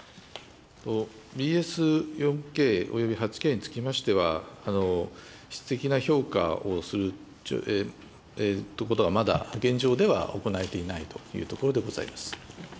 ＢＳ４Ｋおよび８Ｋにつきましては、質的な評価をするということは、まだ現状では行えていないというところでございます。